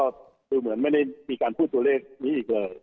ก็คือเหมือนไม่ได้มีการพูดตัวเลขนี้อีกเลย